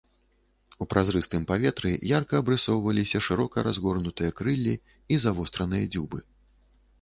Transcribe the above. У празрыстым паветры ярка абрысоўваліся шырока разгорнутыя крыллі і завостраныя дзюбы.